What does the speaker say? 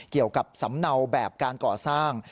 เกี่ยวกับสำเนาแบบการก่อสร้าง